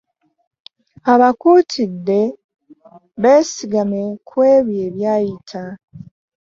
Abakuutidde beesigame ku ebyo ebyayita.